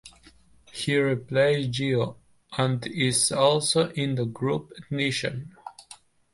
He replaced Geo and is also in the group Ethnician.